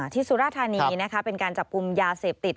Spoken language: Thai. ที่สุราธานีเป็นการจับปุ่มยาเสพติด